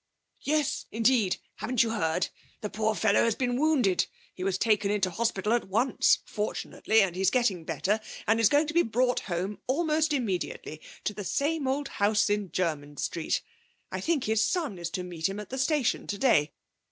'Yes, indeed. Haven't you heard? The poor fellow has been wounded. He was taken into hospital at once, fortunately, and he's getting better, and is going to be brought home almost immediately, to the same old house in Jermyn Street. I think his son is to meet him at the station today.